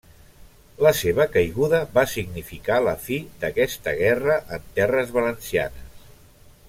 La seva caiguda va significar la fi d'aquesta guerra en terres valencianes.